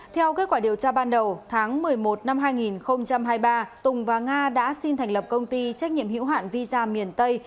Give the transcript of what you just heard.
theo kết quả điều tra ban đầu tháng một mươi một năm hai nghìn hai mươi ba tùng và nga đã xin thành lập công ty trách nhiệm hữu hạn visa miền tây